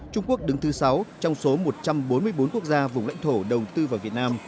trung quốc đứng thứ sáu trong số một trăm bốn mươi bốn quốc gia vùng lãnh thổ đầu tư vào việt nam